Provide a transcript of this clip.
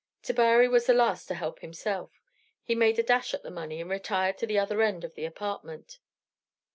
Tabary was the last to help himself; he made a dash at the money, and retired to the other end of the apartment.